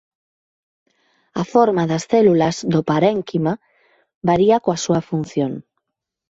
A forma das células do parénquima varía coa súa función.